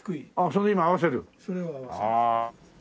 それを合わせる。